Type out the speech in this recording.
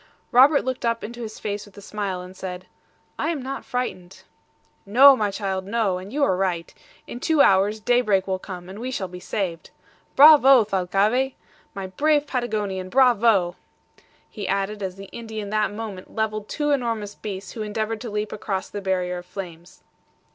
Robert looked up into his face with a smile, and said, "I am not frightened." "No, my child, no! and you are right. In two hours daybreak will come, and we shall be saved. Bravo, Thalcave! my brave Patagonian! Bravo!" he added as the Indian that moment leveled two enormous beasts who endeavored to leap across the barrier of flames.